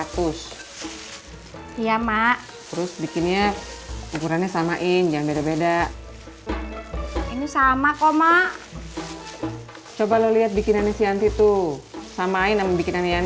tadi gue emang udah mau makan